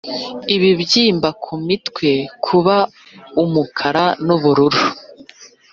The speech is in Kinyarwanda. ibibyimba ku mitwe, kuba umukara n'ubururu,